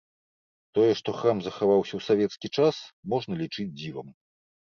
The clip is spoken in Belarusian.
Тое, што храм захаваўся ў савецкі час, можна лічыць дзівам.